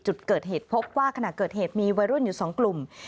จุดเกิดเหตุพบว่าขณะเกิดเหตุมีวัยรุ่นอยู่๒กลุ่ม